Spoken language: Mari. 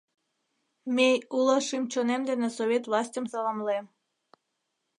Мей уло шӱм-чонем дене Совет властьым саламлем!